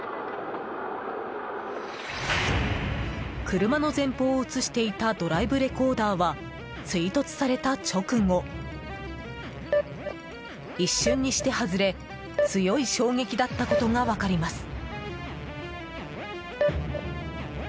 車の前方を映していたドライブレコーダーは追突された直後、一瞬にして外れ強い衝撃だったことが分かります。